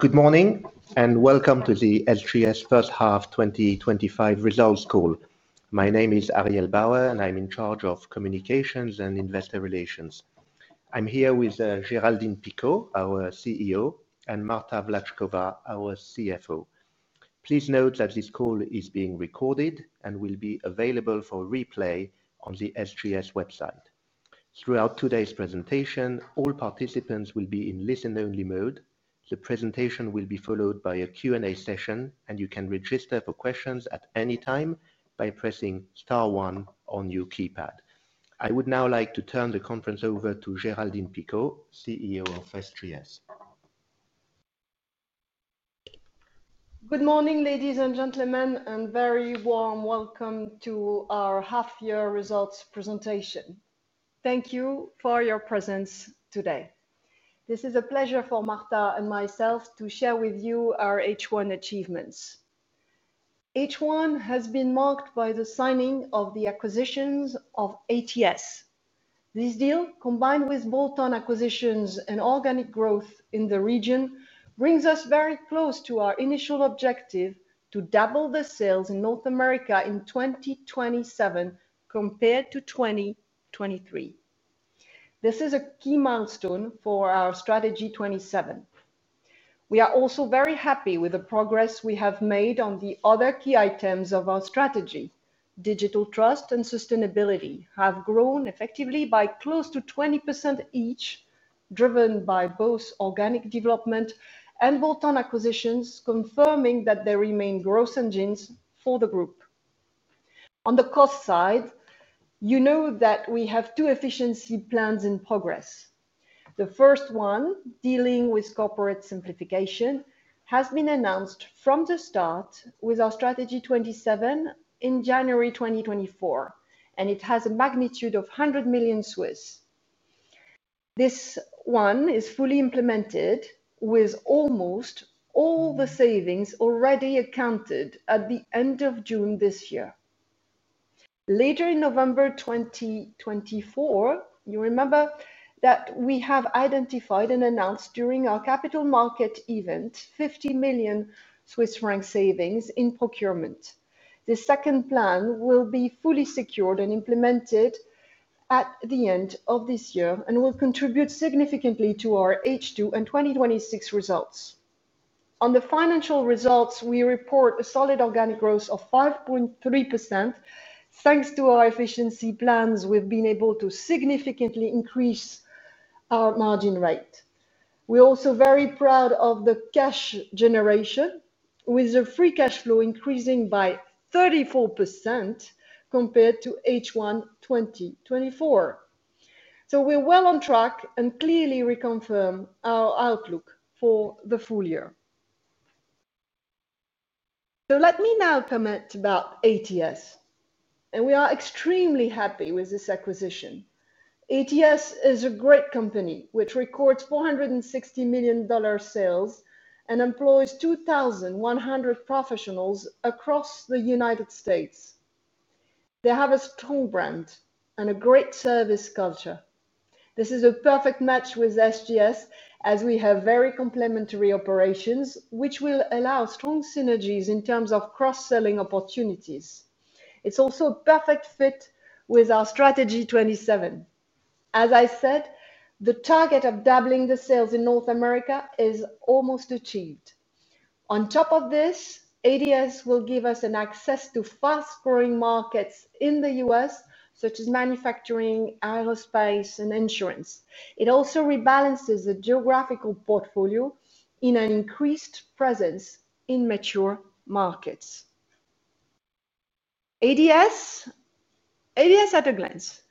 Good morning, and welcome to the SGS First Half 2025 Results Call. My name is Ariel Bauer, and I'm in charge of communications and investor relations. I'm here with Géraldine Picaud, our CEO, and Marta Vlatchkova, our CFO. Please note that this call is being recorded and will be available for replay on the SGS website. Throughout today's presentation, all participants will be in listen-only mode. The presentation will be followed by a Q&A session, and you can register for questions at any time by pressing star one on your keypad. I would now like to turn the conference over to Géraldine Picaud, CEO of SGS. Good morning, ladies and gentlemen, and very warm welcome to our half-year results presentation. Thank you for your presence today. This is a pleasure for Marta and myself to share with you our H1 achievements. H1 has been marked by the signing of the acquisitions of ATS. This deal, combined with bolt-on acquisitions and organic growth in the region, brings us very close to our initial objective to double the sales in North America in 2027 compared to 2023. This is a key milestone for our Strategy 27. We are also very happy with the progress we have made on the other key items of our strategy. Digital trust and sustainability have grown effectively by close to 20% each, driven by both organic development and bolt-on acquisitions, confirming that they remain growth engines for the group. On the cost side, you know that we have two efficiency plans in progress. The first one, dealing with corporate simplification, has been announced from the start with our Strategy 27 in January 2024, and it has a magnitude of 100 million. This one is fully implemented with almost all the savings already accounted at the end of June this year. Later in November 2024, you remember that we have identified and announced during our capital market event 50 million Swiss franc savings in procurement. The second plan will be fully secured and implemented at the end of this year and will contribute significantly to our H2 and 2026 results. On the financial results, we report a solid organic growth of 5.3%. Thanks to our efficiency plans, we've been able to significantly increase our margin rate. We're also very proud of the cash generation, with the free cash flow increasing by 34% compared to H1 2024. We're well on track and clearly reconfirm our outlook for the full year. Let me now comment about ATS, and we are extremely happy with this acquisition. ATS is a great company, which records $460 million sales and employs 2,100 professionals across the United States. They have a strong brand and a great service culture. This is a perfect match with SGS, as we have very complementary operations, which will allow strong synergies in terms of cross-selling opportunities. It's also a perfect fit with our Strategy 27. As I said, the target of doubling the sales in North America is almost achieved. On top of this, ATS will give us access to fast-growing markets in the U.S., such as manufacturing, aerospace, and insurance. It also rebalances the geographical portfolio in an increased presence in mature markets. ATS, at a glance.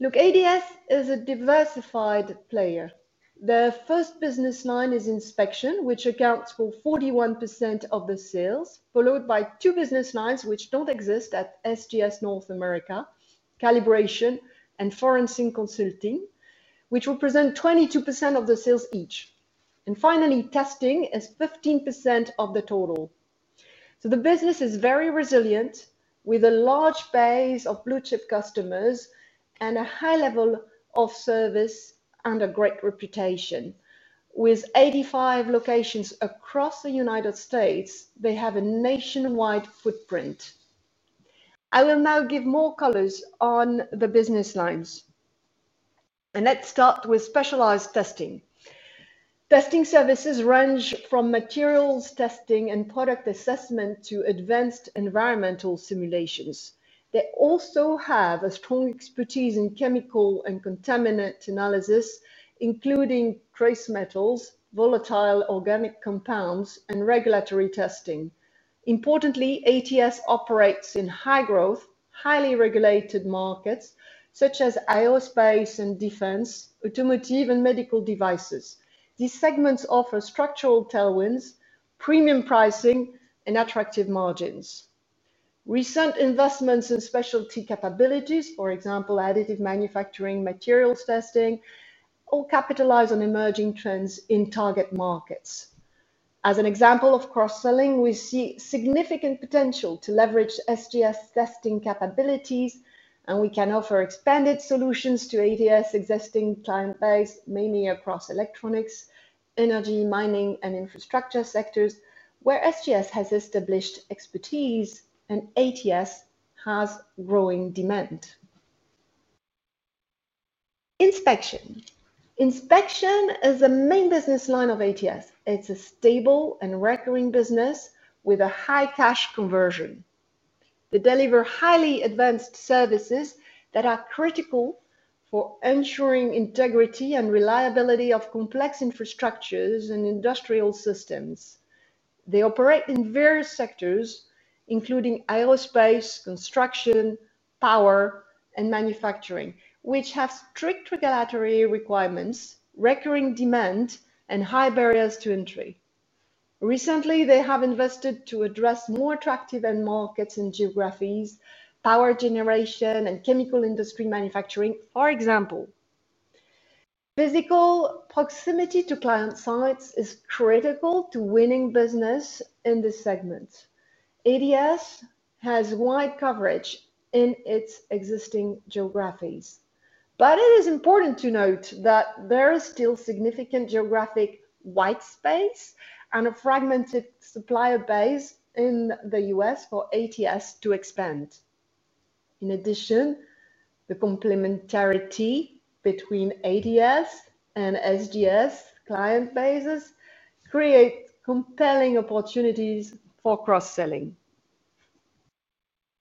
Look, ATS is a diversified player. The first business line is inspection, which accounts for 41% of the sales, followed by two business lines, which don't exist at SGS North America: calibration and forensic consulting, which will present 22% of the sales each. Finally, testing is 15% of the total. The business is very resilient, with a large base of blue-chip customers and a high level of service and a great reputation. With 85 locations across the United States, they have a nationwide footprint. I will now give more colors on the business lines. Let's start with specialized testing. Testing services range from materials testing and product assessment to advanced environmental simulations. They also have strong expertise in chemical and contaminant analysis, including trace metals, volatile organic compounds, and regulatory testing. Importantly, ATS operates in high-growth, highly regulated markets such as aerospace and defense, automotive, and medical devices. These segments offer structural tailwinds, premium pricing, and attractive margins. Recent investments in specialty capabilities, for example, additive manufacturing, materials testing, all capitalize on emerging trends in target markets. As an example of cross-selling, we see significant potential to leverage SGS testing capabilities, and we can offer expanded solutions to ATS's existing client base, mainly across electronics, energy, mining, and infrastructure sectors, where SGS has established expertise and ATS has growing demand. Inspection is the main business line of ATS. It's a stable and recurring business with a high cash conversion. They deliver highly advanced services that are critical for ensuring integrity and reliability of complex infrastructures and industrial systems. They operate in various sectors, including aerospace, construction, power, and manufacturing, which have strict regulatory requirements, recurring demand, and high barriers to entry. Recently, they have invested to address more attractive markets and geographies: power generation and chemical industry manufacturing, for example. Physical proximity to client sites is critical to winning business in this segment. ATS has wide coverage in its existing geographies, but it is important to note that there is still significant geographic white space and a fragmented supplier base in the U.S., for ATS to expand. In addition, the complementarity between ATS and SGS client bases creates compelling opportunities for cross-selling.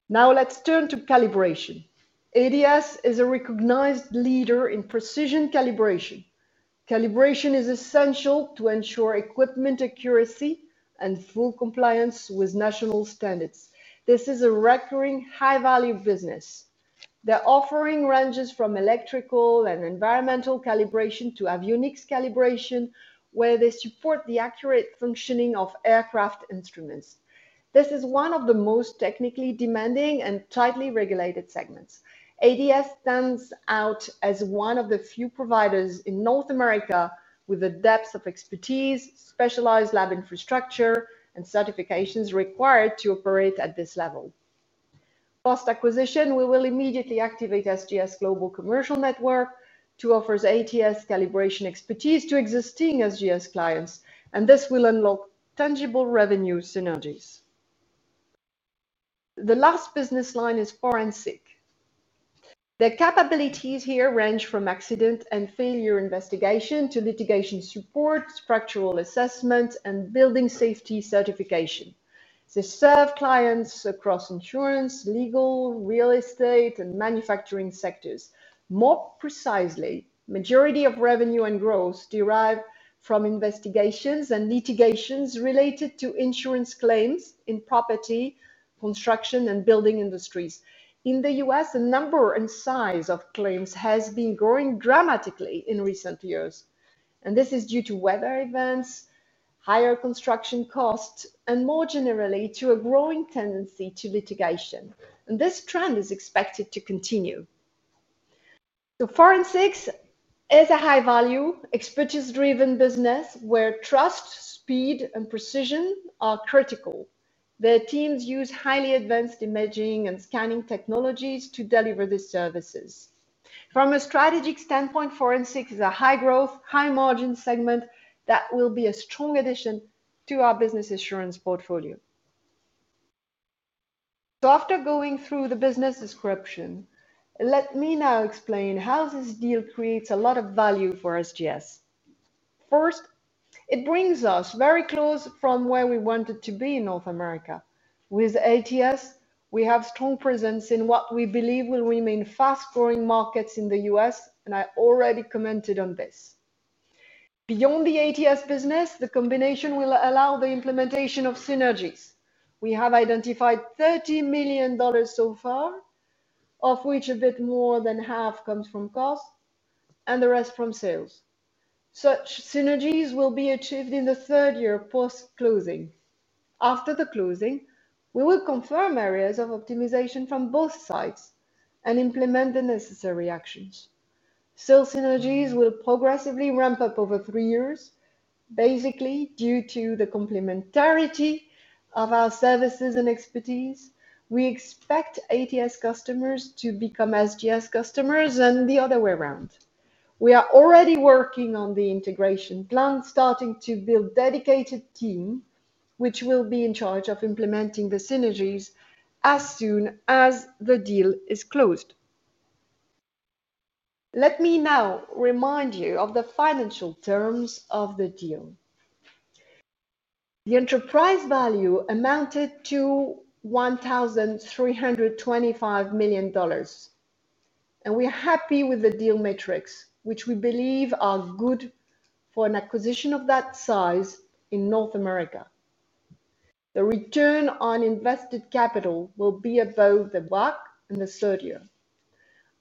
Now let's turn to calibration. ATS is a recognized leader in precision calibration. Calibration is essential to ensure equipment accuracy and full compliance with national standards. This is a recurring, high-value business. Their offering ranges from electrical and environmental calibration to avionics calibration, where they support the accurate functioning of aircraft instruments. This is one of the most technically demanding and tightly regulated segments. ATS stands out as one of the few providers in North America with a depth of expertise, specialized lab infrastructure, and certifications required to operate at this level. Post-acquisition, we will immediately activate SGS Global Commercial Network to offer ATS calibration expertise to existing SGS clients, and this will unlock tangible revenue synergies. The last business line is forensic. Their capabilities here range from accident and failure investigation to litigation support, structural assessment, and building safety certification. They serve clients across insurance, legal, real estate, and manufacturing sectors. More precisely, the majority of revenue and growth derives from investigations and litigations related to insurance claims in property, construction, and building industries. In the U.S., the number and size of claims has been growing dramatically in recent years, and this is due to weather events, higher construction costs, and more generally to a growing tendency to litigation. This trend is expected to continue. Forensics is a high-value, expertise-driven business where trust, speed, and precision are critical. Their teams use highly advanced imaging and scanning technologies to deliver these services. From a strategic standpoint, forensics is a high-growth, high-margin segment that will be a strong addition to our business assurance portfolio. After going through the business description, let me now explain how this deal creates a lot of value for SGS. First, it brings us very close from where we wanted to be in North America. With ATS, we have a strong presence in what we believe will remain fast-growing markets in the US, and I already commented on this. Beyond the ATS business, the combination will allow the implementation of synergies. We have identified $30 million so far, of which a bit more than half comes from cost and the rest from sales. Such synergies will be achieved in the third year post-closing. After the closing, we will confirm areas of optimization from both sides and implement the necessary actions. Sales synergies will progressively ramp up over three years. Basically, due to the complementarity of our services and expertise, we expect ATS customers to become SGS customers and the other way around. We are already working on the integration plan, starting to build a dedicated team, which will be in charge of implementing the synergies as soon as the deal is closed. Let me now remind you of the financial terms of the deal. The enterprise value amounted to $1,325 million. We are happy with the deal metrics, which we believe are good for an acquisition of that size in North America. The return on invested capital will be above the buck in the third year.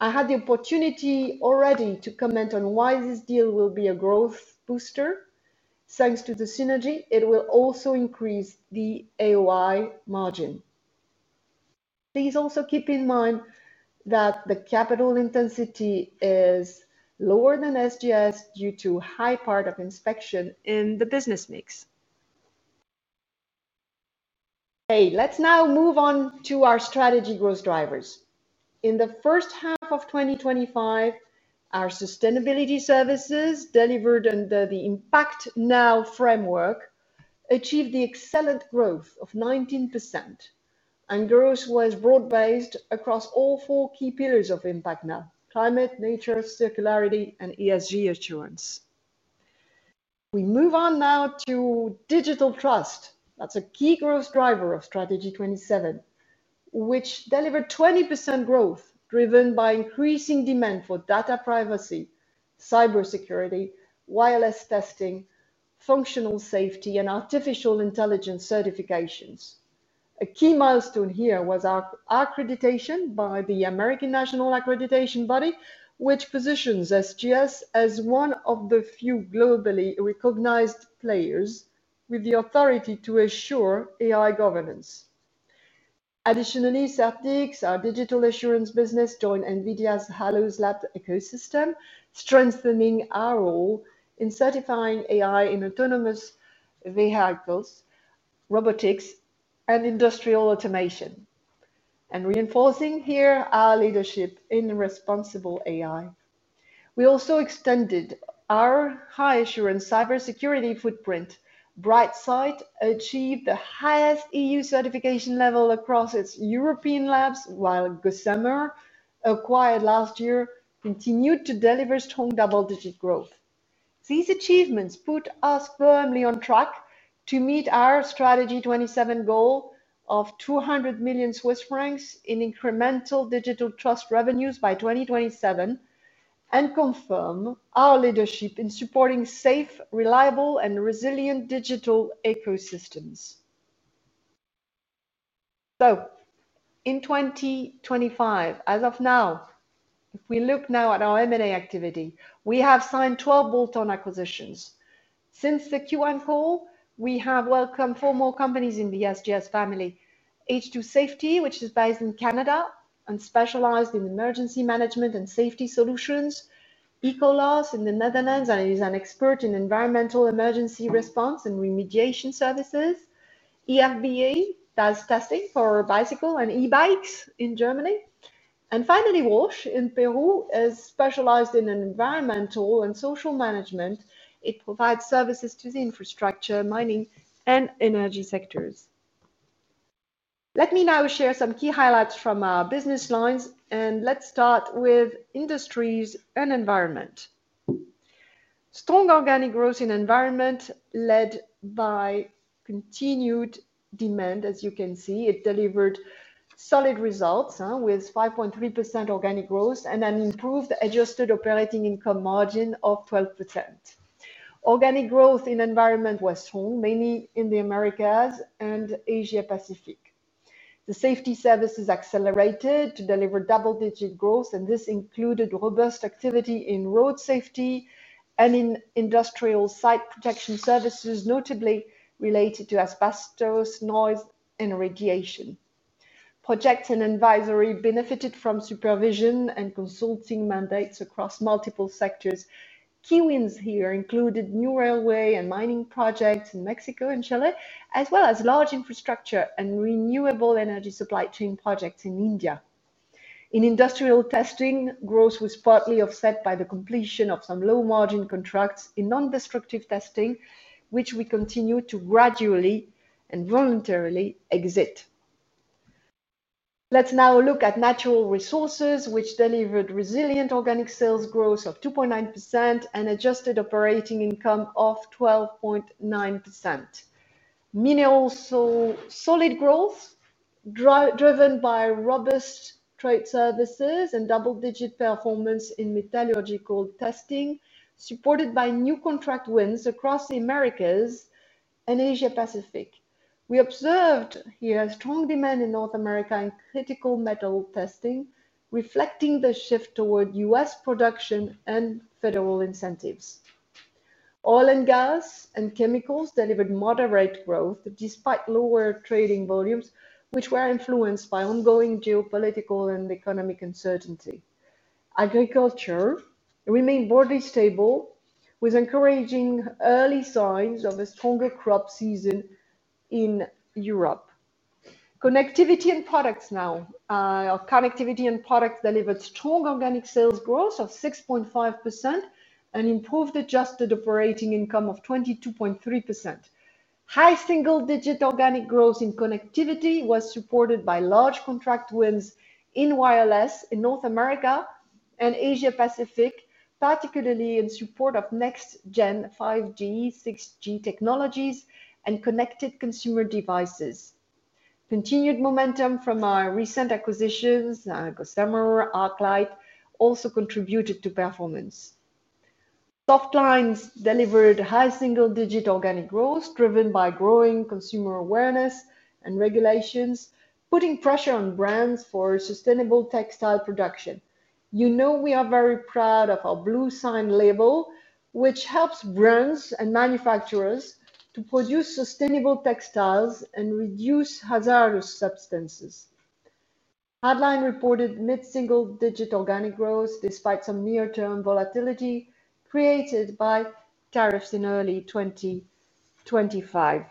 I had the opportunity already to comment on why this deal will be a growth booster. Thanks to the synergy, it will also increase the AOI margin. Please also keep in mind that the capital intensity is lower than SGS due to a high part of inspection in the business mix. Let's now move on to our strategy growth drivers. In the first half of 2025, our sustainability services delivered under the ImpactNow framework achieved excellent growth of 19%. Growth was broad-based across all four key pillars of ImpactNow: climate, nature, circularity, and ESG assurance. We move on now to digital trust. That's a key growth driver of Strategy 27, which delivered 20% growth driven by increasing demand for data privacy, cybersecurity, wireless testing, functional safety, and artificial intelligence certifications. A key milestone here was our accreditation by the American National Accreditation Body, which positions SGS as one of the few globally recognized players with the authority to assure AI governance. Additionally, CertiX, our digital assurance business, joined NVIDIA's HaloSLAP ecosystem, strengthening our role in certifying AI in autonomous vehicles, robotics, and industrial automation. Reinforcing here our leadership in responsible AI. We also extended our high-assurance cybersecurity footprint. BrightSight achieved the highest EU certification level across its European labs, while GSMER, acquired last year, continued to deliver strong double-digit growth. These achievements put us firmly on track to meet our Strategy 27 goal of 200 million Swiss francs in incremental digital trust revenues by 2027. Confirming our leadership in supporting safe, reliable, and resilient digital ecosystems. In 2025, as of now, if we look now at our M&A activity, we have signed 12 bolt-on acquisitions. Since the Q1 call, we have welcomed four more companies in the SGS family: H2 Safety, which is based in Canada and specialized in emergency management and safety solutions; Ecolas, in the Netherlands, and is an expert in environmental emergency response and remediation services; EFBE does testing for bicycles and e-bikes in Germany; and finally, Roche in Peru, specialized in environmental and social management. It provides services to the infrastructure, mining, and energy sectors. Let me now share some key highlights from our business lines, and let's start with industries and environment. Strong organic growth in environment led by continued demand, as you can see, it delivered solid results with 5.3% organic growth and an improved adjusted operating income margin of 12%. Organic growth in environment was strong, mainly in the Americas and Asia-Pacific. The safety services accelerated to deliver double-digit growth, and this included robust activity in road safety and in industrial site protection services, notably related to asbestos, noise, and radiation. Projects and advisory benefited from supervision and consulting mandates across multiple sectors. Key wins here included new railway and mining projects in Mexico and Chile, as well as large infrastructure and renewable energy supply chain projects in India. In industrial testing, growth was partly offset by the completion of some low-margin contracts in non-destructive testing, which we continue to gradually and voluntarily exit. Let's now look at natural resources, which delivered resilient organic sales growth of 2.9% and adjusted operating income of 12.9%. Mineral soil solid growth. Driven by robust trade services and double-digit performance in metallurgical testing, supported by new contract wins across the Americas and Asia-Pacific. We observed here strong demand in North America and critical metal testing, reflecting the shift toward U.S. production and federal incentives. Oil and gas and chemicals delivered moderate growth despite lower trading volumes, which were influenced by ongoing geopolitical and economic uncertainty. Agriculture remained broadly stable, with encouraging early signs of a stronger crop season in Europe. Connectivity and products now. Connectivity and products delivered strong organic sales growth of 6.5% and improved adjusted operating income of 22.3%. High single-digit organic growth in connectivity was supported by large contract wins in wireless in North America and Asia-Pacific, particularly in support of next-gen 5G, 6G technologies, and connected consumer devices. Continued momentum from our recent acquisitions, GSMER, Arclight, also contributed to performance. Soft lines delivered high single-digit organic growth driven by growing consumer awareness and regulations, putting pressure on brands for sustainable textile production. You know we are very proud of our blue sign label, which helps brands and manufacturers to produce sustainable textiles and reduce hazardous substances. Hardline reported mid-single-digit organic growth despite some near-term volatility created by tariffs in early 2025.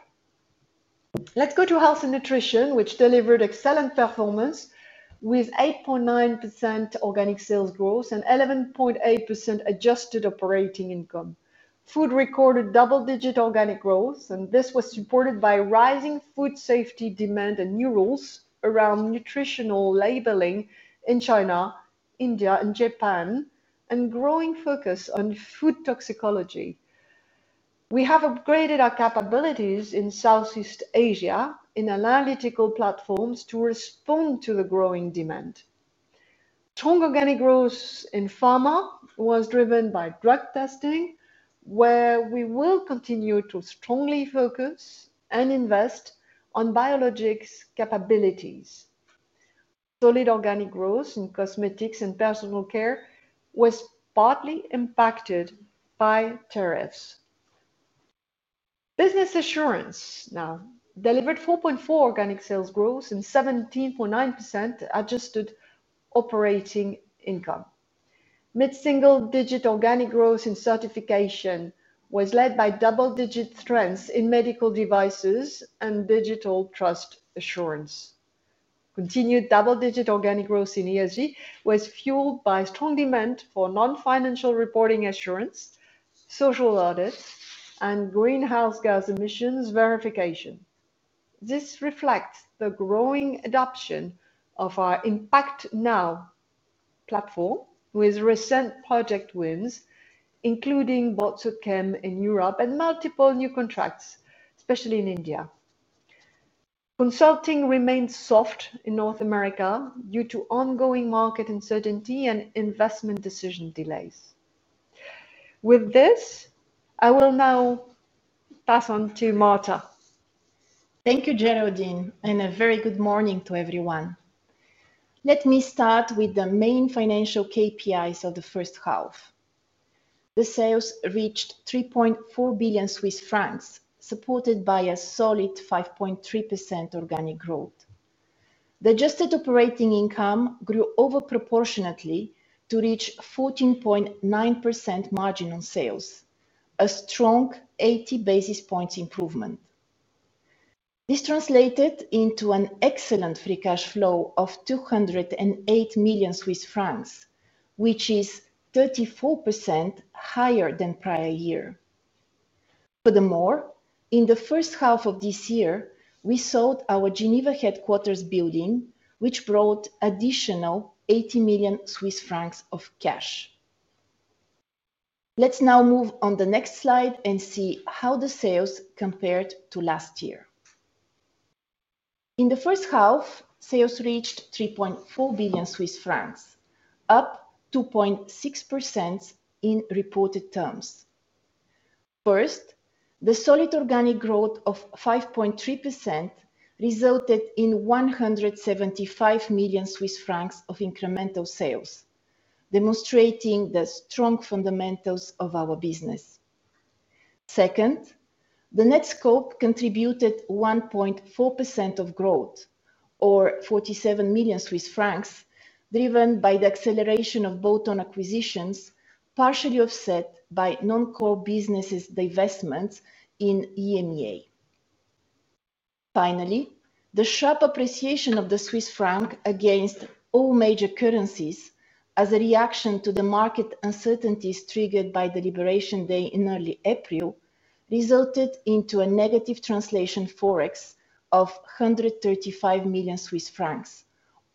Let's go to health and nutrition, which delivered excellent performance with 8.9% organic sales growth and 11.8% adjusted operating income. Food recorded double-digit organic growth, and this was supported by rising food safety demand and new rules around nutritional labeling in China, India, and Japan, and growing focus on food toxicology. We have upgraded our capabilities in Southeast Asia in analytical platforms to respond to the growing demand. Strong organic growth in pharma was driven by drug testing, where we will continue to strongly focus and invest on biologics capabilities. Solid organic growth in cosmetics and personal care was partly impacted by tariffs. Business assurance now delivered 4.4% organic sales growth and 17.9% adjusted operating income. Mid-single-digit organic growth in certification was led by double-digit trends in medical devices and digital trust assurance. Continued double-digit organic growth in ESG was fueled by strong demand for non-financial reporting assurance. Social audits, and greenhouse gas emissions verification. This reflects the growing adoption of our ImpactNow framework. Platform with recent project wins, including Botsukem in Europe and multiple new contracts, especially in India. Consulting remained soft in North America due to ongoing market uncertainty and investment decision delays. With this, I will now pass on to Marta. Thank you, Géraldine, and a very good morning to everyone. Let me start with the main financial KPIs of the first half. The sales reached 3.4 billion Swiss francs, supported by a solid 5.3% organic growth. The adjusted operating income grew over proportionately to reach 14.9% margin on sales, a strong 80 basis points improvement. This translated into an excellent free cash flow of 208 million Swiss francs, which is 34% higher than prior year. Furthermore, in the first half of this year, we sold our Geneva headquarters building, which brought additional 80 million Swiss francs of cash. Let's now move on the next slide and see how the sales compared to last year. In the first half, sales reached 3.4 billion Swiss francs, up 2.6% in reported terms. First, the solid organic growth of 5.3% resulted in 175 million Swiss francs of incremental sales, demonstrating the strong fundamentals of our business. Second, the net scope contributed 1.4% of growth, or 47 million Swiss francs, driven by the acceleration of bolt-on acquisitions, partially offset by non-core businesses' divestments in EMEA. Finally, the sharp appreciation of the Swiss franc against all major currencies as a reaction to the market uncertainties triggered by the liberation day in early April resulted in a negative translation forex of 135 million Swiss francs,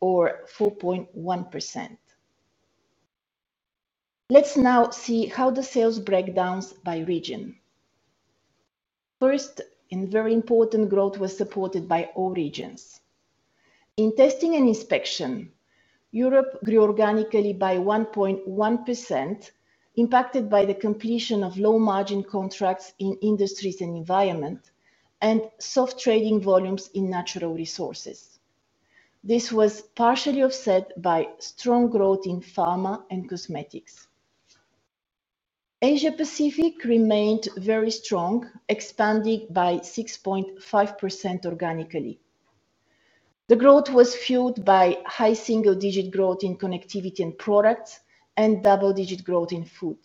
or 4.1%. Let's now see how the sales breakdowns by region. First, in very important growth was supported by all regions. In testing and inspection, Europe grew organically by 1.1%. Impacted by the completion of low-margin contracts in industries and environment, and soft trading volumes in natural resources. This was partially offset by strong growth in pharma and cosmetics. Asia-Pacific remained very strong, expanding by 6.5% organically. The growth was fueled by high single-digit growth in connectivity and products, and double-digit growth in food.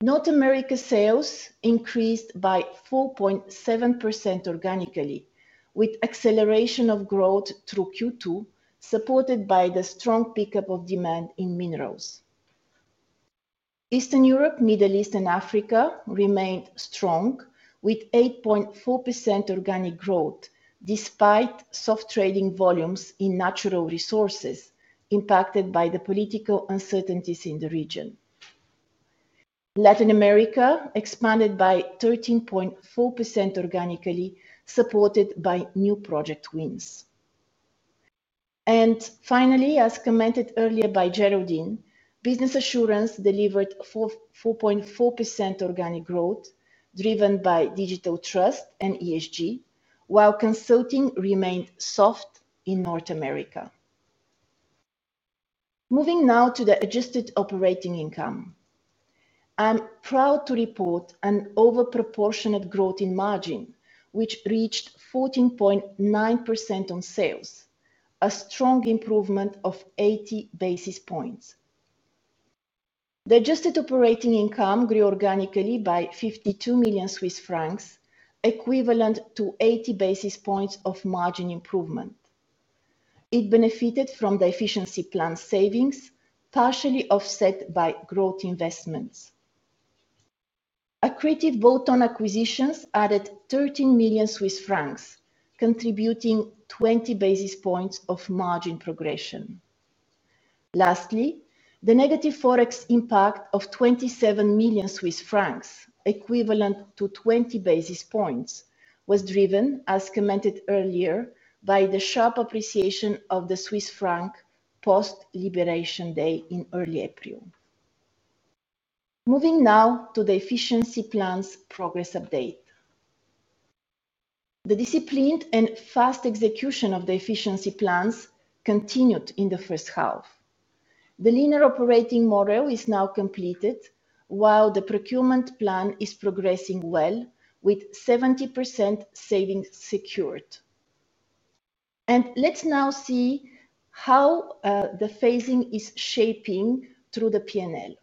North America sales increased by 4.7% organically, with acceleration of growth through Q2, supported by the strong pickup of demand in minerals. Eastern Europe, Middle East, and Africa remained strong, with 8.4% organic growth despite soft trading volumes in natural resources, impacted by the political uncertainties in the region. Latin America expanded by 13.4% organically, supported by new project wins. Finally, as commented earlier by Géraldine, business assurance delivered 4.4% organic growth, driven by digital trust and ESG, while consulting remained soft in North America. Moving now to the adjusted operating income. I'm proud to report an overproportionate growth in margin, which reached 14.9% on sales, a strong improvement of 80 basis points. The adjusted operating income grew organically by 52 million Swiss francs, equivalent to 80 basis points of margin improvement. It benefited from the efficiency plan savings, partially offset by growth investments. Accretive bolt-on acquisitions added 13 million Swiss francs, contributing 20 basis points of margin progression. Lastly, the negative forex impact of 27 million Swiss francs, equivalent to 20 basis points, was driven, as commented earlier, by the sharp appreciation of the Swiss franc post-liberation day in early April. Moving now to the efficiency plans progress update. The disciplined and fast execution of the efficiency plans continued in the first half. The linear operating model is now completed, while the procurement plan is progressing well, with 70% savings secured. Let's now see how the phasing is shaping through the P&L.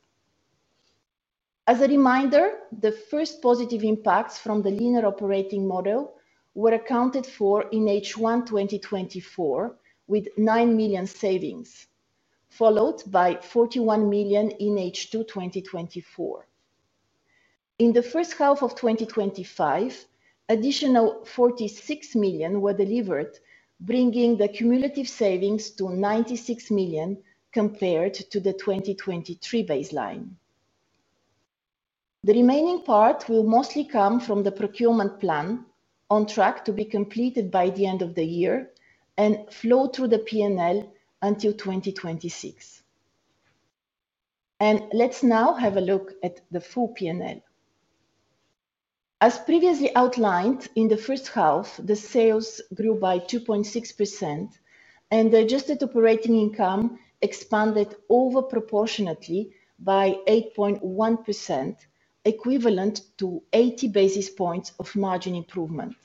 As a reminder, the first positive impacts from the linear operating model were accounted for in H1 2024, with 9 million savings, followed by 41 million in H2 2024. In the first half of 2025, additional 46 million were delivered, bringing the cumulative savings to 96 million compared to the 2023 baseline. The remaining part will mostly come from the procurement plan, on track to be completed by the end of the year, and flow through the P&L until 2026. Let's now have a look at the full P&L. As previously outlined in the first half, the sales grew by 2.6%. The adjusted operating income expanded over proportionately by 8.1%, equivalent to 80 basis points of margin improvement.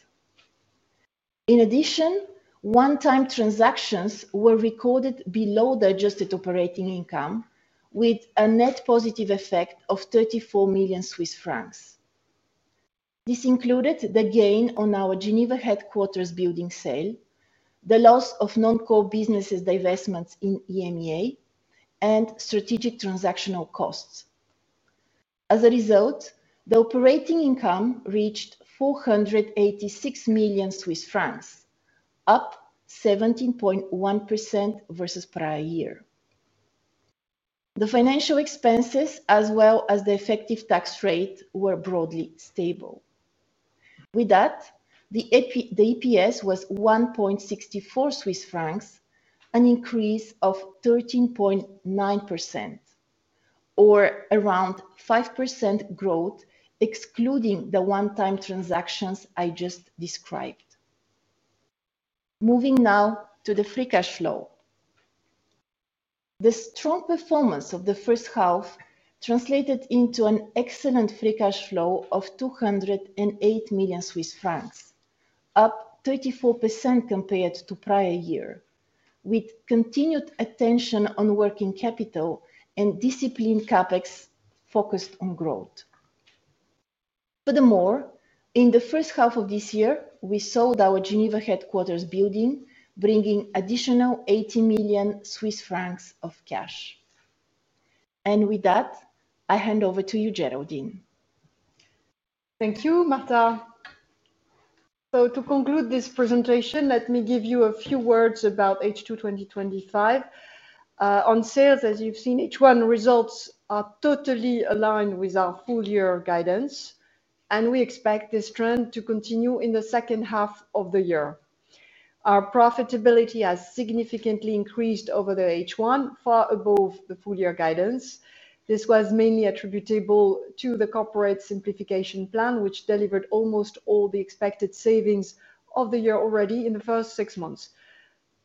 In addition, one-time transactions were recorded below the adjusted operating income, with a net positive effect of 34 million Swiss francs. This included the gain on our Geneva headquarters building sale, the loss of non-core businesses' divestments in EMEA, and strategic transactional costs. As a result, the operating income reached 486 million Swiss francs, up 17.1% versus prior year. The financial expenses, as well as the effective tax rate, were broadly stable. With that, the EPS was 1.64 Swiss francs, an increase of 13.9%. Or around 5% growth, excluding the one-time transactions I just described. Moving now to the free cash flow. The strong performance of the first half translated into an excellent free cash flow of 208 million Swiss francs, up 34% compared to prior year, with continued attention on working capital and disciplined CapEx focused on growth. Furthermore, in the first half of this year, we sold our Geneva headquarters building, bringing additional 80 million Swiss francs of cash. With that, I hand over to you, Géraldine. Thank you, Marta. To conclude this presentation, let me give you a few words about H2 2025. On sales, as you've seen, H1 results are totally aligned with our full-year guidance, and we expect this trend to continue in the second half of the year. Our profitability has significantly increased over the H1, far above the full-year guidance. This was mainly attributable to the corporate simplification plan, which delivered almost all the expected savings of the year already in the first six months.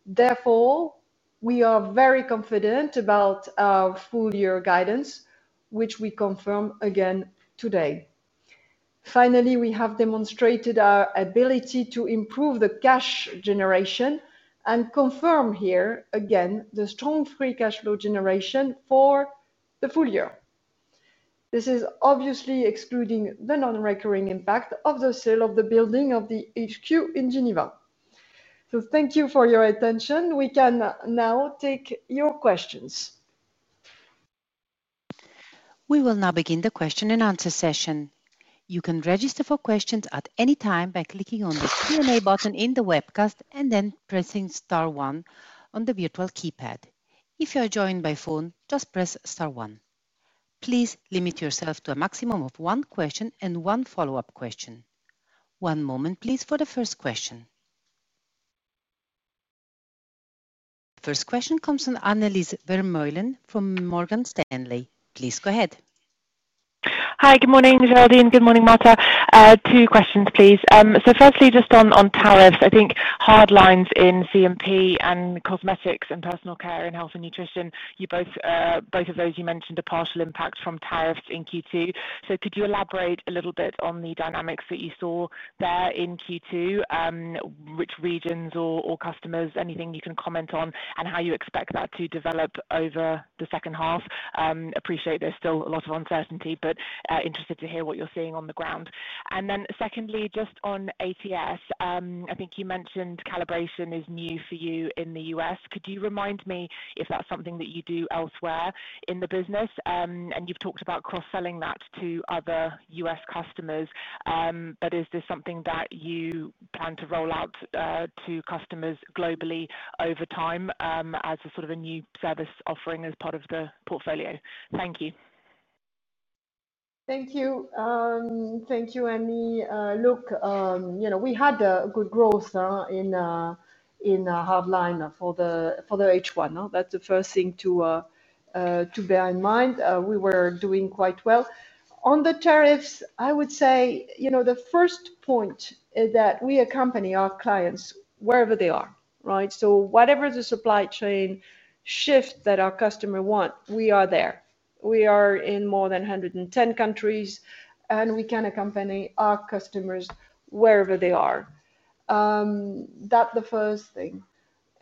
Therefore, we are very confident about our full-year guidance, which we confirm again today. Finally, we have demonstrated our ability to improve the cash generation and confirm here again the strong free cash flow generation for the full year. This is obviously excluding the non-recurring impact of the sale of the building of the HQ in Geneva. Thank you for your attention. We can now take your questions. We will now begin the question and answer session. You can register for questions at any time by clicking on the Q&A button in the webcast and then pressing star one on the virtual keypad. If you're joined by phone, just press star one. Please limit yourself to a maximum of one question and one follow-up question. One moment, please, for the first question. The first question comes from Annelies Vermeulen from Morgan Stanley. Please go ahead. Hi, good morning, Géraldine. Good morning, Marta. Two questions, please. Firstly, just on tariffs, I think hard lines in CMP and cosmetics and personal care and health and nutrition, both of those, you mentioned a partial impact from tariffs in Q2. Could you elaborate a little bit on the dynamics that you saw there in Q2? Which regions or customers, anything you can comment on, and how you expect that to develop over the second half? Appreciate there's still a lot of uncertainty, but interested to hear what you're seeing on the ground. Secondly, just on ATS, I think you mentioned calibration is new for you in the U.S. Could you remind me if that's something that you do elsewhere in the business? And you've talked about cross-selling that to other U.S. customers, but is this something that you plan to roll out to customers globally over time as a sort of a new service offering as part of the portfolio? Thank you. Thank you. Thank you, Annie. Look, we had a good growth in our hard line for the H1. That's the first thing to bear in mind. We were doing quite well on the tariffs. I would say the first point is that we accompany our clients wherever they are, right? So, whatever the supply chain shift that our customer wants, we are there. We are in more than 110 countries, and we can accompany our customers wherever they are. That's the first thing.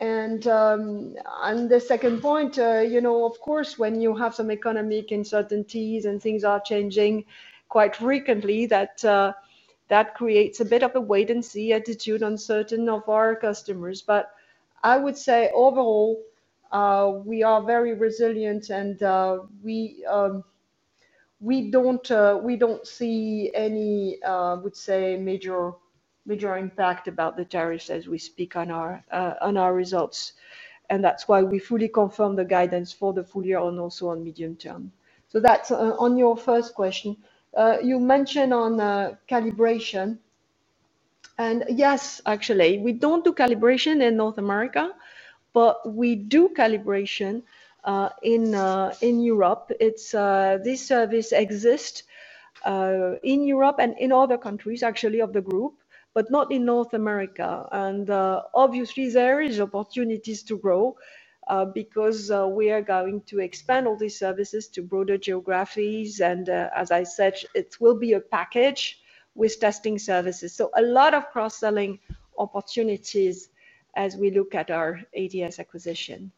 The second point, of course, when you have some economic uncertainties and things are changing quite frequently, that creates a bit of a wait-and-see attitude on certain of our customers. I would say overall we are very resilient, and we don't see any, I would say, major impact about the tariffs as we speak on our results. That's why we fully confirm the guidance for the full year and also on medium term. That's on your first question. You mentioned on calibration. Yes, actually, we don't do calibration in North America, but we do calibration in Europe. This service exists in Europe and in other countries, actually, of the group, but not in North America. Obviously, there are opportunities to grow because we are going to expand all these services to broader geographies. As I said, it will be a package with testing services. A lot of cross-selling opportunities as we look at our ATS acquisition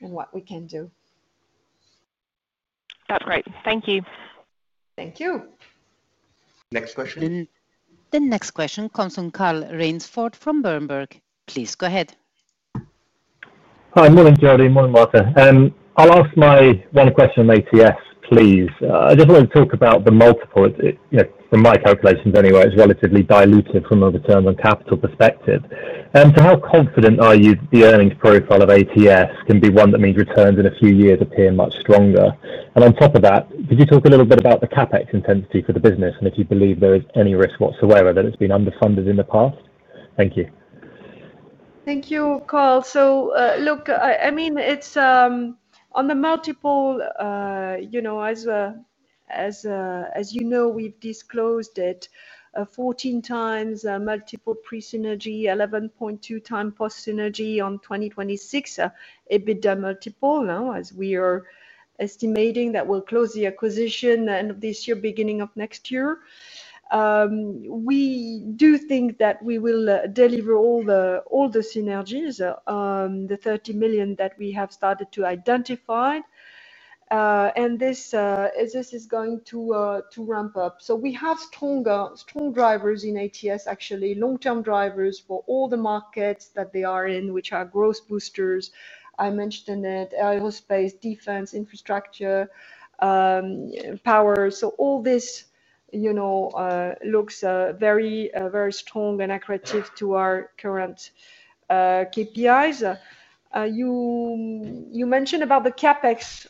and what we can do. That's great. Thank you. Thank you. Next question. The next question comes from Carl Raynsford from Berenberg. Please go ahead. Hi, morning, Géraldine. Morning, Marta. I'll ask my one question on ATS, please. I just want to talk about the multiple. From my calculations anyway, it's relatively diluted from a return on capital perspective. How confident are you that the earnings profile of ATS can be one that means returns in a few years appear much stronger? On top of that, could you talk a little bit about the CapEx intensity for the business and if you believe there is any risk whatsoever that it's been underfunded in the past? Thank you. Thank you, Carl. Look, I mean, it's on the multiple. As you know, we've disclosed it. 14 times multiple pre-synergy, 11.2 times post-synergy on 2026 EBITDA multiple, as we are estimating that we'll close the acquisition end of this year, beginning of next year. We do think that we will deliver all the synergies. The 30 million that we have started to identify. This is going to ramp up. We have strong drivers in ATS, actually, long-term drivers for all the markets that they are in, which are growth boosters. I mentioned it, aerospace, defense, infrastructure. Power. All this looks very, very strong and accurate to our current KPIs. You mentioned about the CapEx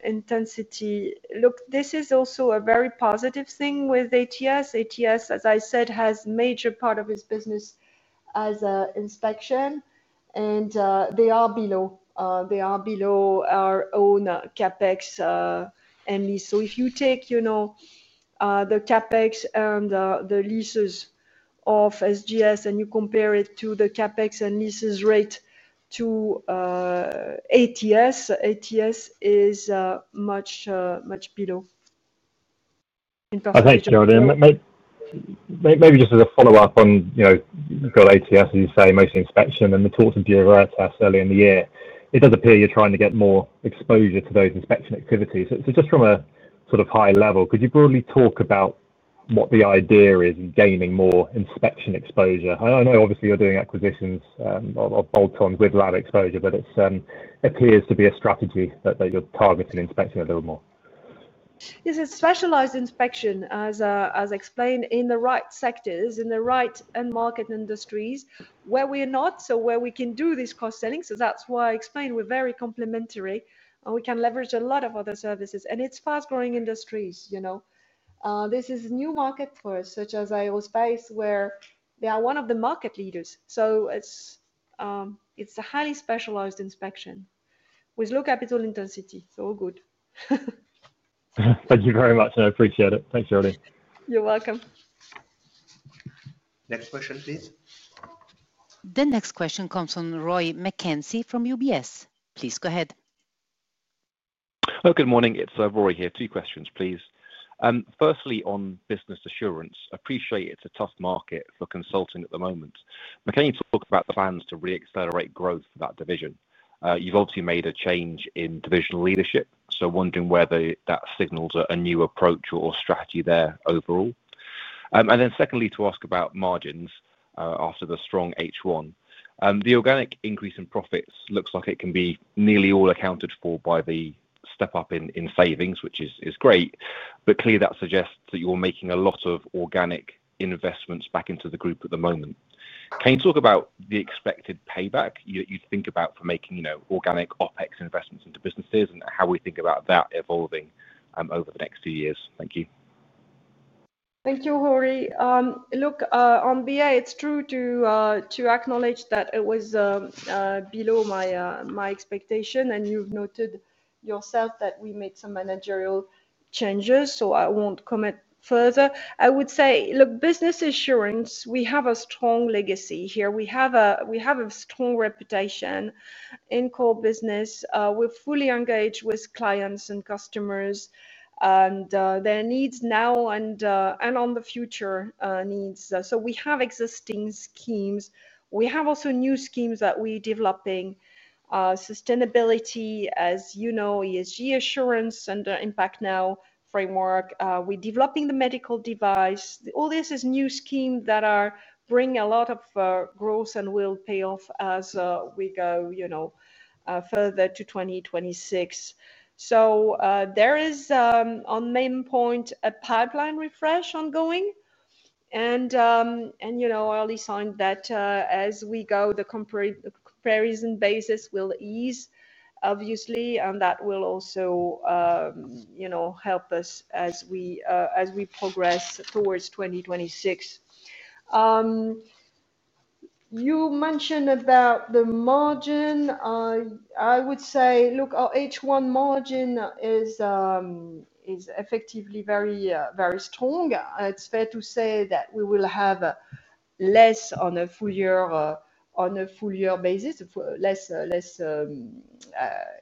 intensity. Look, this is also a very positive thing with ATS. ATS, as I said, has a major part of its business as inspection, and they are below. They are below our own CapEx and lease. If you take the CapEx and the leases of SGS and you compare it to the CapEx and leases rate to ATS, ATS is much below in perfect terms. Thank you, Géraldine. Maybe just as a follow-up on, you've got ATS, as you say, most inspection, and we talked to DIRETTAS earlier in the year. It does appear you're trying to get more exposure to those inspection activities. Just from a sort of high level, could you broadly talk about what the idea is in gaining more inspection exposure? I know, obviously, you're doing acquisitions of bolt-ons with lab exposure, but it appears to be a strategy that you're targeting inspecting a little more. This is specialized inspection, as I explained, in the right sectors, in the right market industries where we are not, where we can do this cross-selling. That's why I explained we're very complementary. We can leverage a lot of other services, and it's fast-growing industries. This is a new market for us, such as aerospace, where they are one of the market leaders. It's a highly specialized inspection with low capital intensity. All good. Thank you very much, and I appreciate it. Thanks, Géraldine. You're welcome. Next question, please. The next question comes from Rory McKenzie from UBS. Please go ahead. Oh, good morning. It's Rory here. Two questions, please. Firstly, on business assurance, appreciate it's a tough market for consulting at the moment. Can you talk about plans to re-accelerate growth for that division? You've obviously made a change in divisional leadership, so wondering whether that signals a new approach or strategy there overall. Secondly, to ask about margins after the strong H1. The organic increase in profits looks like it can be nearly all accounted for by the step-up in savings, which is great. Clearly, that suggests that you're making a lot of organic investments back into the group at the moment. Can you talk about the expected payback you think about for making organic OpEx investments into businesses and how we think about that evolving over the next few years? Thank you. Thank you, Rory. Look, on BA, it's true to acknowledge that it was below my expectation, and you've noted yourself that we made some managerial changes, so I won't comment further. I would say, look, business assurance, we have a strong legacy here. We have a strong reputation in core business. We're fully engaged with clients and customers and their needs now and on the future needs. We have existing schemes. We have also new schemes that we're developing. Sustainability, as you know, ESG assurance and the ImpactNow framework. We're developing the medical device. All this is new schemes that are bringing a lot of growth and will pay off as we go. Further to 2026. There is, on main point, a pipeline refresh ongoing. I already signed that as we go, the comparison basis will ease, obviously, and that will also help us as we progress towards 2026. You mentioned about the margin. I would say, look, our H1 margin is effectively very strong. It's fair to say that we will have less on a full-year basis, less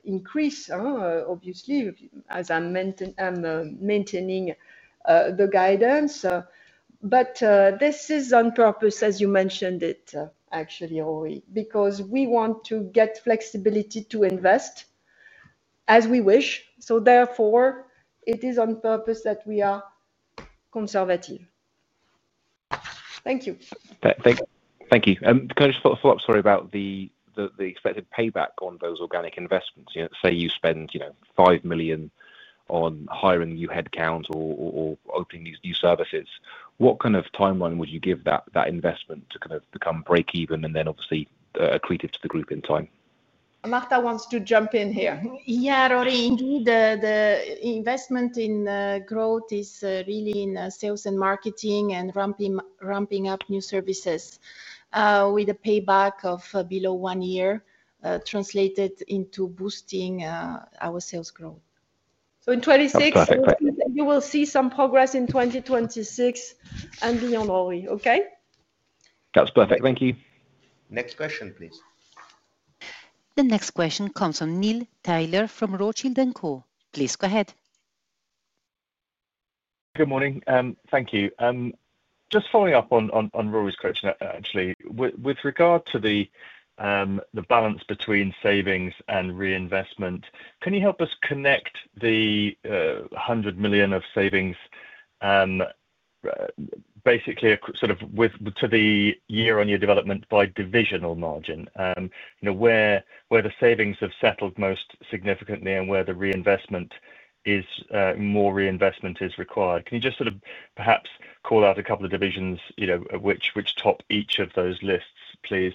increase, obviously, as I'm maintaining the guidance. This is on purpose, as you mentioned it, actually, Rory, because we want to get flexibility to invest as we wish. Therefore, it is on purpose that we are conservative. Thank you. Thank you. Can I just follow up, sorry, about the expected payback on those organic investments? Say you spend $5 million on hiring new headcount or opening these new services. What kind of timeline would you give that investment to kind of become break-even and then, obviously, accretive to the group in time? Marta wants to jump in here. Yeah, Rory. Indeed, the investment in growth is really in sales and marketing and ramping up new services. With a payback of below one year, translated into boosting our sales growth. In 2026, you will see some progress in 2026 and beyond, Rory. Okay? That's perfect. Thank you. Next question, please. The next question comes from Neil Tyler from Rothschild & Co. Please go ahead. Good morning. Thank you. Just following up on Rory's question, actually, with regard to the balance between savings and reinvestment, can you help us connect the $100 million of savings basically sort of to the year-on-year development by divisional margin? Where the savings have settled most significantly and where the reinvestment is. More reinvestment is required. Can you just sort of perhaps call out a couple of divisions which top each of those lists, please?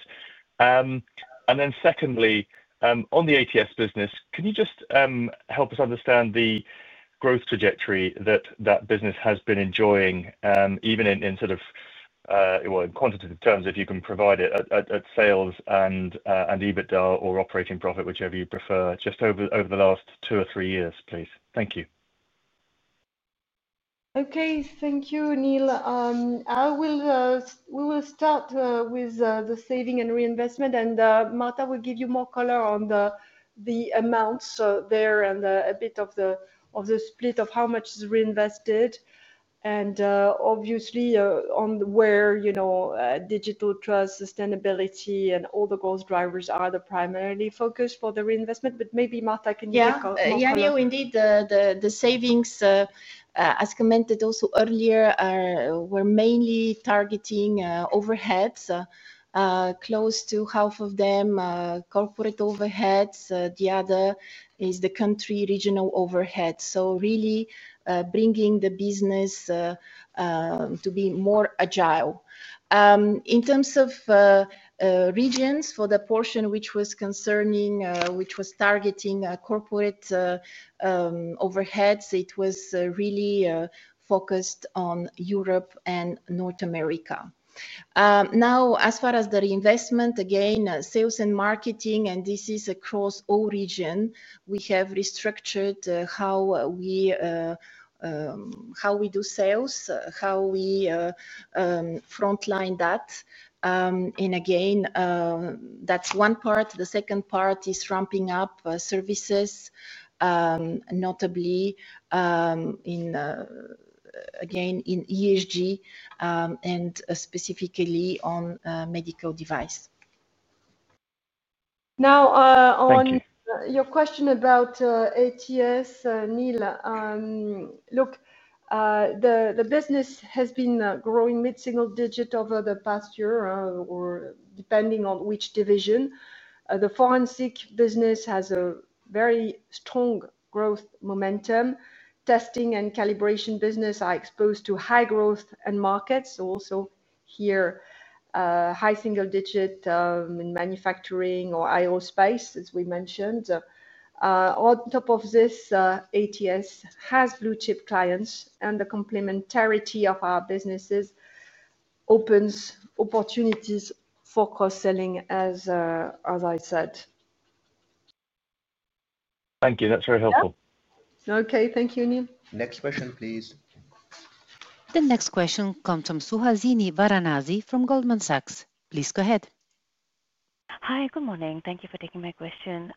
And then secondly, on the ATS business, can you just help us understand the growth trajectory that that business has been enjoying, even in sort of quantitative terms, if you can provide it. At sales and EBITDA or operating profit, whichever you prefer, just over the last two or three years, please? Thank you. Okay. Thank you, Neil. We will start with the saving and reinvestment, and Marta will give you more color on the amounts there and a bit of the split of how much is reinvested. Obviously, on where digital trust, sustainability, and all the growth drivers are the primary focus for the reinvestment. Maybe, Marta, can you take over? Yeah. Yeah, indeed. The savings, as commented also earlier, were mainly targeting overheads. Close to half of them are corporate overheads. The other is the country regional overhead. Really bringing the business to be more agile. In terms of. Regions, for the portion which was concerning, which was targeting corporate. Overheads, it was really focused on Europe and North America. Now, as far as the reinvestment, again, sales and marketing, and this is across all regions, we have restructured how we do sales, how we frontline that. And again. That is one part. The second part is ramping up services. Notably. Again in ESG. And specifically on medical device. Thank you. Now, on your question about ATS, Neil. Look. The business has been growing mid-single digit over the past year, depending on which division. The forensic business has a very strong growth momentum. Testing and calibration business are exposed to high growth and markets. Also, here. High single digit in manufacturing or aerospace, as we mentioned. On top of this, ATS has blue chip clients, and the complementarity of our businesses opens opportunities for cross-selling, as I said. Thank you. That is very helpful. Okay. Thank you, Neil. Next question, please. The next question comes from Suhasini Varanasi from Goldman Sachs. Please go ahead. Hi. Good morning. Thank you for taking my question.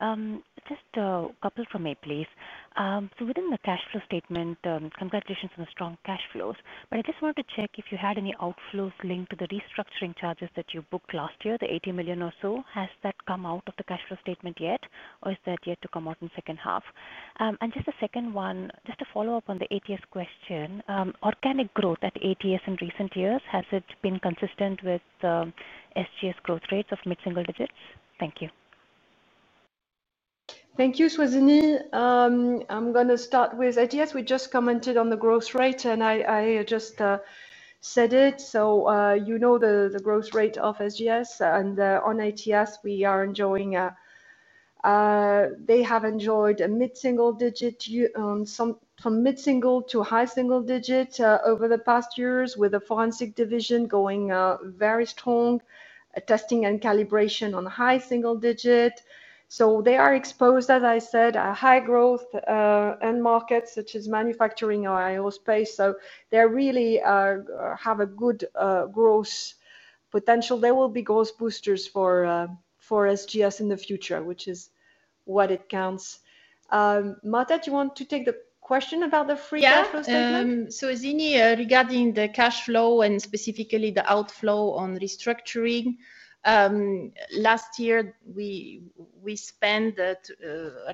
Just a couple for me, please. Within the cash flow statement, congratulations on the strong cash flows. I just wanted to check if you had any outflows linked to the restructuring charges that you booked last year, the 80 million or so. Has that come out of the cash flow statement yet, or is that yet to come out in the second half? Just a second one, just a follow-up on the ATS question. Organic growth at ATS in recent years, has it been consistent with SGS growth rates of mid-single digits? Thank you. Thank you, Suhasini. I am going to start with ATS. We just commented on the growth rate, and I just said it. You know the growth rate of SGS. On ATS, we are enjoying. They have enjoyed a mid-single digit from mid-single to high single digit over the past years, with the forensic division going very strong, testing and calibration on high single digit. They are exposed, as I said, high growth and markets such as manufacturing or aerospace. They really have a good growth potential. They will be growth boosters for SGS in the future, which is what it counts. Marta, do you want to take the question about the free cash flow statement? Yeah. Suhasini, regarding the cash flow and specifically the outflow on restructuring. Last year, we spent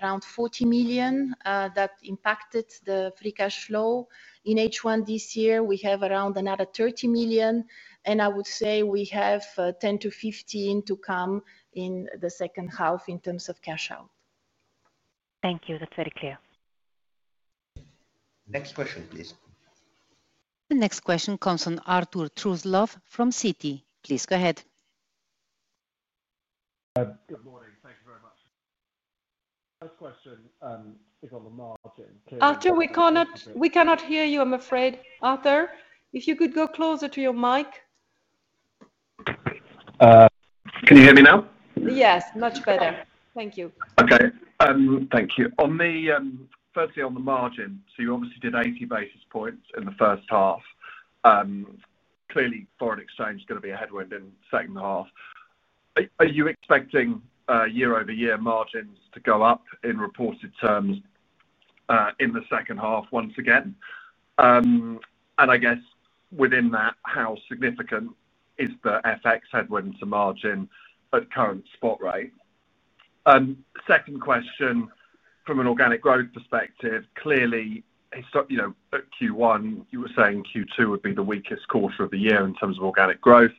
around 40 million that impacted the free cash flow. In H1 this year, we have around another 30 million. I would say we have 10-15 million to come in the second half in terms of cash out. Thank you. That is very clear. Next question, please. The next question comes from Arthur Truslove from Citi. Please go ahead. Good morning. Thank you very much. First question is on the margin. Arthur, we cannot hear you, I am afraid. Arthur, if you could go closer to your mic. Can you hear me now? Yes. Much better. Thank you. Okay. Thank you. Firstly, on the margin, so you obviously did 80 basis points in the first half. Clearly, foreign exchange is going to be a headwind in the second half. Are you expecting year-over-year margins to go up in reported terms in the second half once again? I guess within that, how significant is the FX headwind to margin at current spot rate? Second question, from an organic growth perspective, clearly at Q1, you were saying Q2 would be the weakest quarter of the year in terms of organic growth.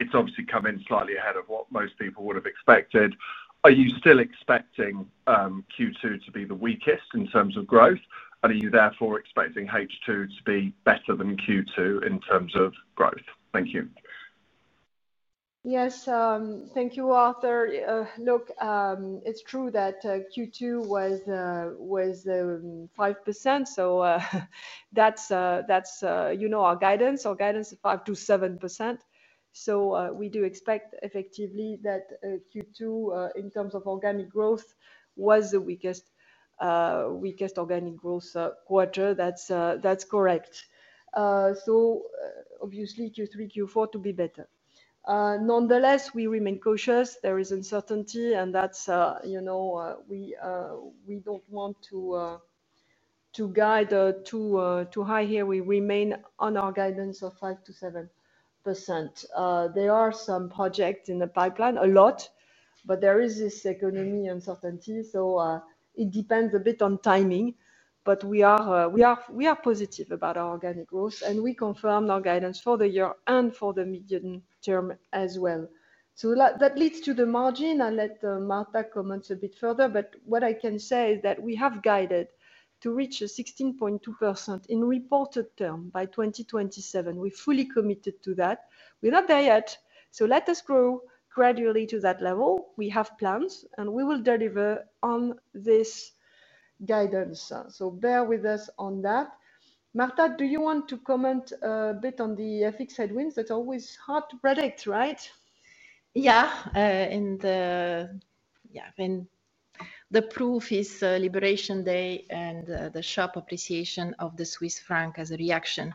It's obviously come in slightly ahead of what most people would have expected. Are you still expecting Q2 to be the weakest in terms of growth? Are you therefore expecting H2 to be better than Q2 in terms of growth? Thank you. Yes. Thank you, Arthur. Look, it's true that Q2 was 5%. That's our guidance. Our guidance is 5-7%. We do expect effectively that Q2, in terms of organic growth, was the weakest organic growth quarter. That's correct. Q3, Q4 to be better. Nonetheless, we remain cautious. There is uncertainty, and that's, we don't want to guide too high here. We remain on our guidance of 5-7%. There are some projects in the pipeline, a lot, but there is this economy uncertainty. It depends a bit on timing. We are positive about our organic growth, and we confirmed our guidance for the year and for the medium term as well. That leads to the margin. I'll let Marta comment a bit further. What I can say is that we have guided to reach 16.2% in reported term by 2027. We're fully committed to that. We're not there yet. Let us grow gradually to that level. We have plans, and we will deliver on this guidance. Bear with us on that. Marta, do you want to comment a bit on the FX headwinds? It's always hard to predict, right? Yeah. I mean, the proof is Liberation Day and the sharp appreciation of the Swiss franc as a reaction.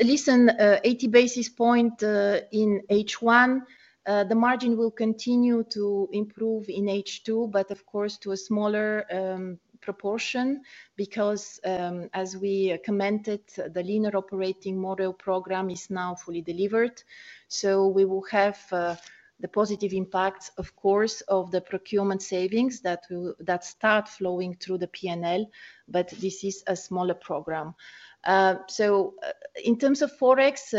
Listen, 80 basis points in H1, the margin will continue to improve in H2, but of course, to a smaller proportion because, as we commented, the leaner operating model program is now fully delivered. We will have the positive impacts, of course, of the procurement savings that start flowing through the P&L, but this is a smaller program. In terms of Forex,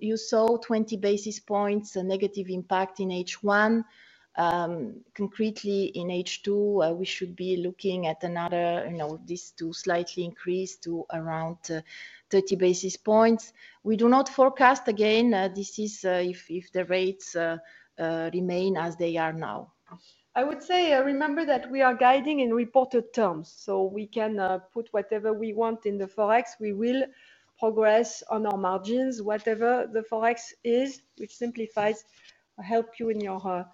you saw 20 basis points negative impact in H1. Concretely, in H2, we should be looking at another, these two slightly increased to around 30 basis points. We do not forecast, again, this is if the rates remain as they are now. I would say, remember that we are guiding in reported terms. We can put whatever we want in the Forex. We will progress on our margins, whatever the Forex is, which simplifies help you in your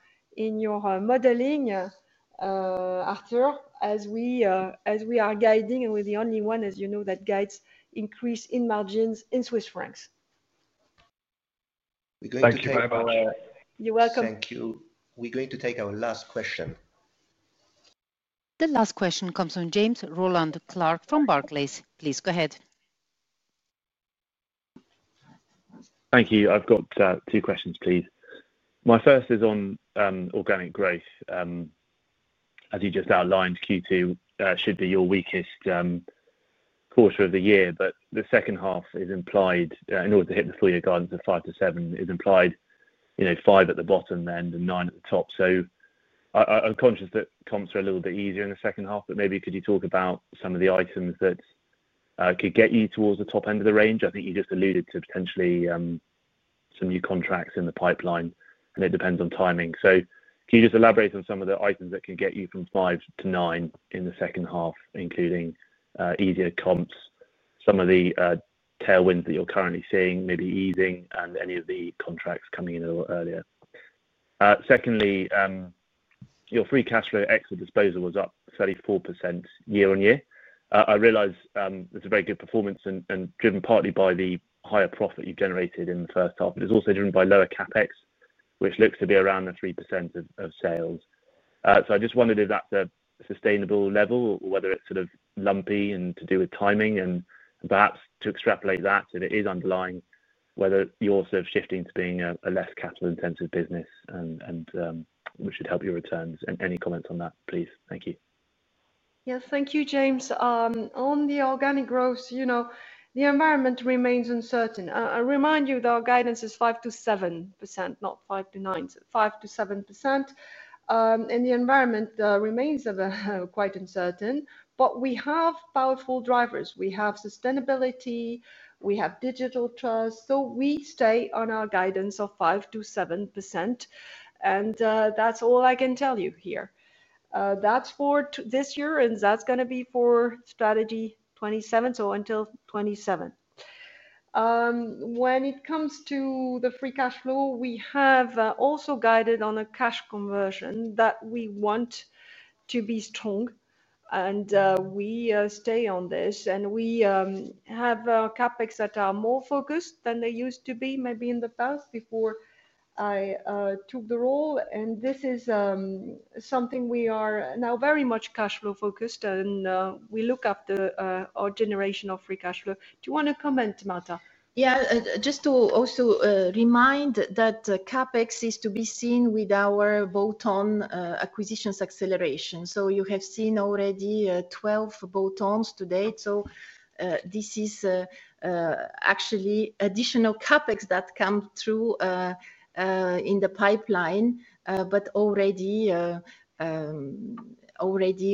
modeling. Arthur, as we are guiding and we're the only one, as you know, that guides increase in margins in Swiss francs. Thank you very much. You're welcome. Thank you. We're going to take our last question. The last question comes from James Rowland Clark from Barclays. Please go ahead. Thank you. I've got two questions, please. My first is on organic growth. As you just outlined, Q2 should be your weakest quarter of the year, but the second half is implied in order to hit the full year guidance of 5-7% is implied. 5 at the bottom then and 9 at the top. So, I'm conscious that comps are a little bit easier in the second half, but maybe could you talk about some of the items that could get you towards the top end of the range? I think you just alluded to potentially some new contracts in the pipeline, and it depends on timing. Can you just elaborate on some of the items that can get you from 5 to 9 in the second half, including easier comps, some of the tailwinds that you're currently seeing, maybe easing, and any of the contracts coming in a little earlier? Secondly, your free cash flow exit disposal was up 34% year on year. I realize it's a very good performance and driven partly by the higher profit you've generated in the first half, but it's also driven by lower CapEx, which looks to be around the 3% of sales. I just wondered if that's a sustainable level or whether it's sort of lumpy and to do with timing and perhaps to extrapolate that, if it is underlying, whether you're sort of shifting to being a less capital-intensive business and which should help your returns. Any comments on that, please? Thank you. Yes. Thank you, James. On the organic growth, the environment remains uncertain. I remind you, the guidance is 5-7%, not 5-9%, 5-7%. The environment remains quite uncertain. We have powerful drivers. We have sustainability. We have digital trust. We stay on our guidance of 5-7%. That's all I can tell you here. That's for this year, and that's going to be for strategy 2027, so until 2027. When it comes to the free cash flow, we have also guided on a cash conversion that we want to be strong. We stay on this. We have CapEx that are more focused than they used to be, maybe in the past before I took the role. This is something we are now very much cash flow focused. We look after our generation of free cash flow. Do you want to comment, Marta? Yeah. Just to also remind that CapEx is to be seen with our bolt-on acquisitions acceleration. You have seen already 12 bolt-ons to date. This is actually additional CapEx that comes through in the pipeline, but already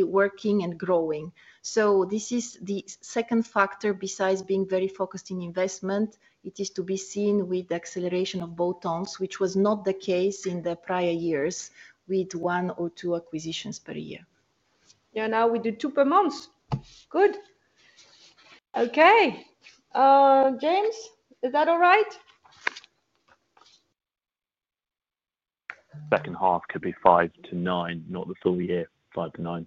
working and growing. This is the second factor besides being very focused in investment. It is to be seen with the acceleration of bolt-ons, which was not the case in the prior years with one or two acquisitions per year. Yeah. Now we do two per month. Good. Okay. James, is that all right? Second half could be 5-9, not the full year, 5-9.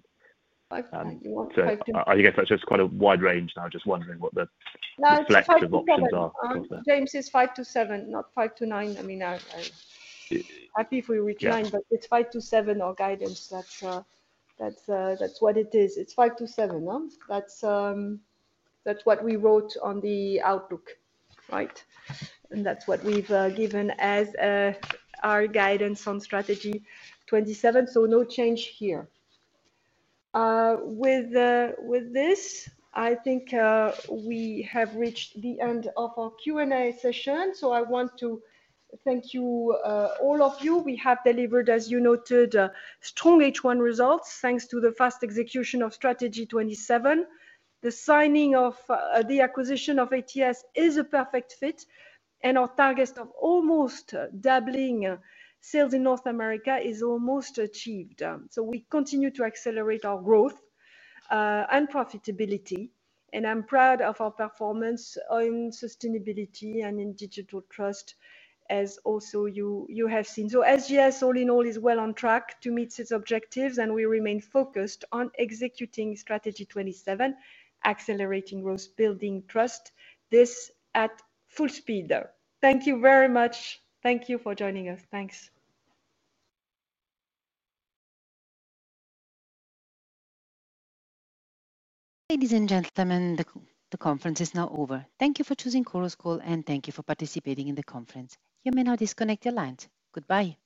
I guess that's just quite a wide range. Now, just wondering what the flex of options are. James is 5-7, not 5-9. I mean, I'm happy if we reach 9, but it's 5-7, our guidance. That's what it is. It's 5-7, no? That's what we wrote on the outlook, right? And that's what we've given as our guidance on strategy 27. No change here. With this, I think we have reached the end of our Q&A session. I want to thank you, all of you. We have delivered, as you noted, strong H1 results thanks to the fast execution of strategy 27. The signing of the acquisition of ATS is a perfect fit, and our target of almost doubling sales in North America is almost achieved. We continue to accelerate our growth and profitability. I'm proud of our performance in sustainability and in digital trust, as also you have seen. SGS, all in all, is well on track to meet its objectives, and we remain focused on executing strategy 27, accelerating growth, building trust, this at full speed. Thank you very much. Thank you for joining us. Thanks. Ladies and gentlemen, the conference is now over. Thank you for choosing CorusCall, and thank you for participating in the conference. You may now disconnect your lines. Goodbye.